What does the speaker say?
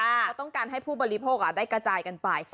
เขาต้องการให้ผู้บริโภคได้กระจายกันไป